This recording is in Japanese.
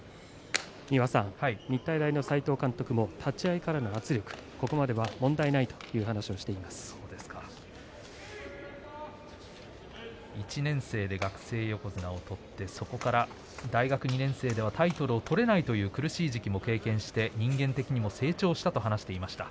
日体大の齋藤監督も立ち合いからの圧力をここまでは１年生で学生横綱を取ってそこから大学２年生ではタイトルを取れないという苦しい時期も経験して人間的にも成長したと話していました。